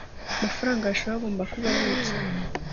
amafaranga yashowe agomba kuba abitswe